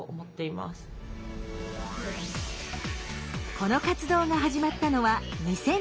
この活動が始まったのは２０２０年。